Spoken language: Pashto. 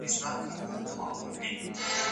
سفیرانو به سیاسي ستونزي حل کولې.